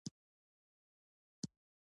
آیا د ودانیو ښیښې وارد کیږي؟